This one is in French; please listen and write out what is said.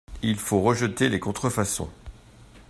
Il faut rejetter les contre-façons.